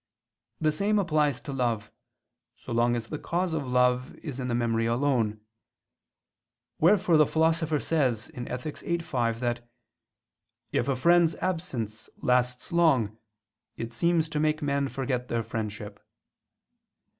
The same applies to love, so long as the cause of love is in the memory alone; wherefore the Philosopher says (Ethic. viii, 5) that "if a friend's absence lasts long, it seems to make men forget their friendship."